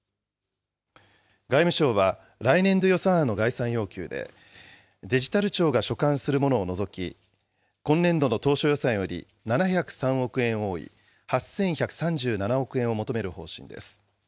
外務省は、来年度予算案の概算要求で、デジタル庁が所管するものを除き、今年度の当初予算より７０３億円多い８１３７億円を求める方針です。